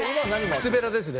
靴べらですね。